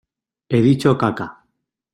he dicho caca.